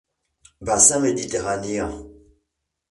Bassin méditerranéen.